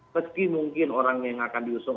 meski mungkin orang yang akan diusung